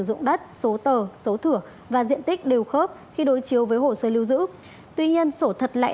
dụng đất số tờ số thửa và diện tích đều khớp khi đối chiếu với hồ sơ lưu giữ tuy nhiên sổ thật lại